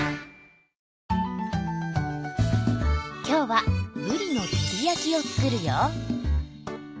今日はぶりの照り焼きを作るよ